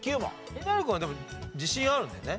えなり君はでも自信あるんだよね？